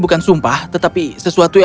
periksa per marvelnya dan tiga belas atau lebih